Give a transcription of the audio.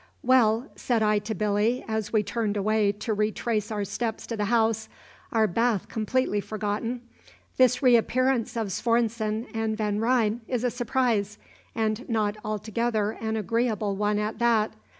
"Well," said I to Billy, as we turned away to retrace our steps to the house, our bath completely forgotten, "this reappearance of Svorenssen and Van Ryn is a surprise, and not altogether an agreeable one at that.